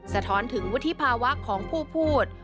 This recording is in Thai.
สะท้อนถึงวุฒิภาวะของผู้พูด